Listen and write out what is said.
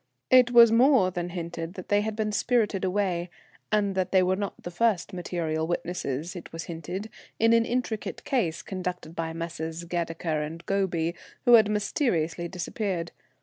It was more than hinted that they had been spirited away, and they were not the first material witnesses, it was hinted, in an intricate case, conducted by Messrs. Gadecker and Gobye, who had mysteriously disappeared.